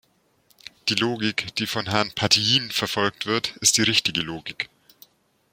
Die Logik, die von Herrn Patijn verfolgt wird, ist die richtige Logik.